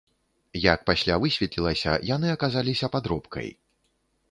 Як пасля высветлілася, яны аказаліся падробкай.